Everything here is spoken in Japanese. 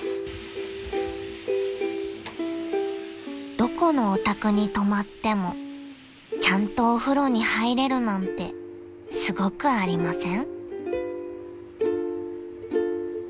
［どこのお宅に泊まってもちゃんとお風呂に入れるなんてすごくありません？］